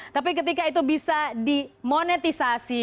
tapi ketika itu bisa dimonetisasi